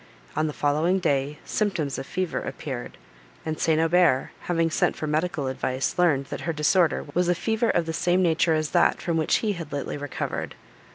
On the following day, symptoms of fever appeared, and St. Aubert, having sent for medical advice, learned, that her disorder was a fever of the same nature as that, from which he had lately recovered.